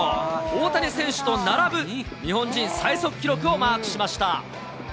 大谷選手と並ぶ日本人最速記録をマークしました。